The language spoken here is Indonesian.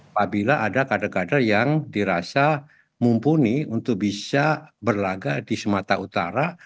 apabila ada kader kader yang dirasa mumpuni untuk bisa berlaga di sumatera utara